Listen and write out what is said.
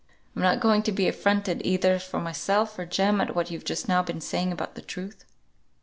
"I'm not going to be affronted either for myself or Jem at what you've just now been saying about the truth.